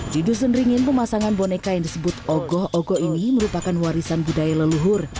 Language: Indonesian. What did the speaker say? di dusun ringin pemasangan boneka yang disebut ogoh ogoh ini merupakan warisan budaya leluhur